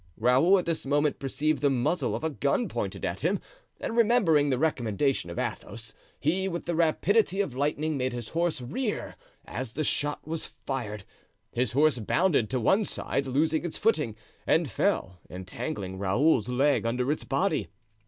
Raoul at this moment perceived the muzzle of a gun pointed at him, and remembering the recommendation of Athos, he, with the rapidity of lightning, made his horse rear as the shot was fired. His horse bounded to one side, losing its footing, and fell, entangling Raoul's leg under its body.